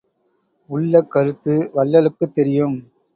உள்ளக் கருத்து வள்ளலுக்குத் தெரியும்.